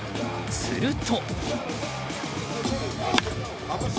すると。